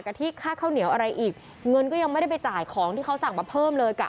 ที่ค่าข้าวเหนียวอะไรอีกเงินก็ยังไม่ได้ไปจ่ายของที่เขาสั่งมาเพิ่มเลยกะ